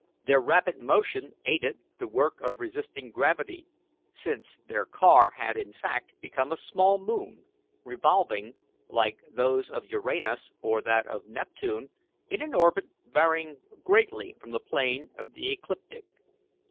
Their rapid motion aided the work of resisting gravity, since their car had in fact become a small moon, revolving, like those of Uranus or that of Neptune, in an orbit varying greatly from the plane of the ecliptic.